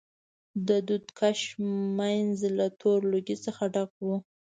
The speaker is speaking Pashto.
د دود کش منځ له تور لوګي څخه ډک و.